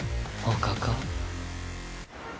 おかか。